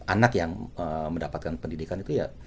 anak yang mendapatkan pendidikan itu ya